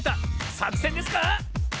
さくせんですか